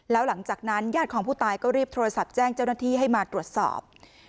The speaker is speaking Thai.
แล้วหลังจากนั้นญาติของผู้ตายก็รีบโทรศัพท์แจ้งเจ้าหน้าที่ให้มาตรวจสอบ